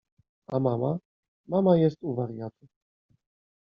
— A mama? — Mama jest u wariatów.